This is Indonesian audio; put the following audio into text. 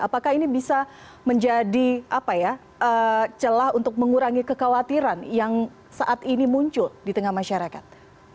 apakah ini bisa menjadi celah untuk mengurangi kekhawatiran yang saat ini muncul di tengah masyarakat